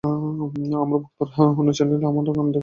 আমার ভক্তরা এখন অন্য চ্যানেলে আমার গান দেখে বিভ্রান্ত হবেন না।